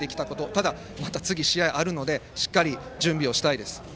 でも、また次の試合があるのでしっかり準備したいです。